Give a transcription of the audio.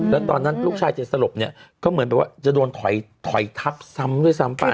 แล้วตอนนั้นลูกชายจะสลบเนี่ยก็เหมือนแบบว่าจะโดนถอยทับซ้ำด้วยซ้ำไป